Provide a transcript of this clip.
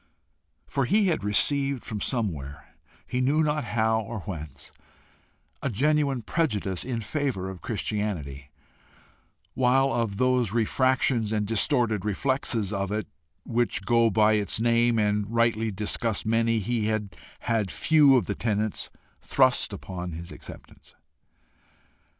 For he had received from somewhere, he knew not how or whence, a genuine prejudice in favour of Christianity, while of those refractions and distorted reflexes of it which go by its name and rightly disgust many, he had had few of the tenets thrust upon his acceptance.